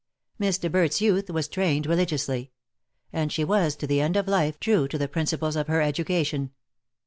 Miss De Berdt's youth was trained religiously; and she was to the end of life true to the principles of her education.